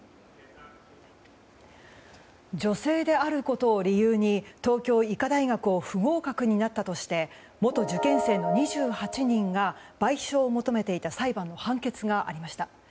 女性であることを理由に東京医科大学を不合格になったとして元受験生の２８人が賠償を求めていた裁判の判決がありました。